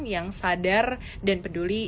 yang sadar dan peduli